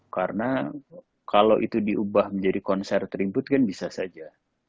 karena kalau itu diubah menjadi konser terimput kan bisa saja